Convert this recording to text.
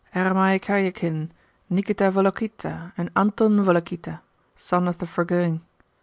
'Eremei Kariakin, Nikita Volokita and Anton Volokita (son of the foregoing).